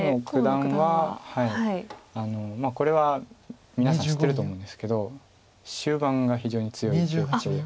河野九段はこれは皆さん知ってると思うんですけど終盤が非常に強い。